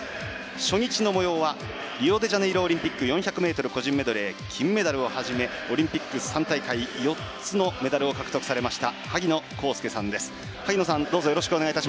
初日のもようはリオデジャネイロオリンピック４００ｍ個人メドレー金メダルをはじめオリンピック３大会４つのメダルを獲得されました萩野公介さんです。